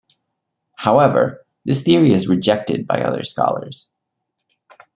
However, this theory is rejected by other scholars.